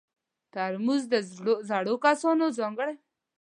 ترموز د زړو کسانو ځانګړی وسایل دي.